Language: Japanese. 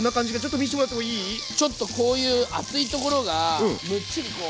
ちょっとこういう厚いところがムッチリこう。